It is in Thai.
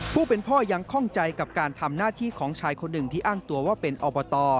ผู้เป็นพ่อยังคล่องใจกับการทำหน้าที่ของชายคนหนึ่งที่อ้างตัวว่าเป็นอบต